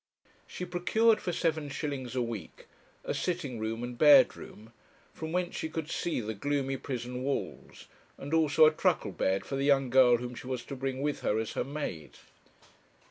She procured, for seven shillings a week, a sitting room and bedroom, from whence she could see the gloomy prison walls, and also a truckle bed for the young girl whom she was to bring with her as her maid.